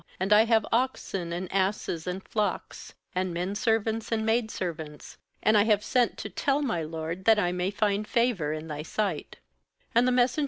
6And I have oxen, and asses and flocks, and men servants and maid servants; and I have sent to tell my lord, that I may find favour in thy sight/ 7And the messengers * That is, The heap of witness, in.